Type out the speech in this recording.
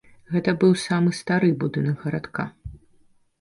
Гэта быў самы стары будынак гарадка.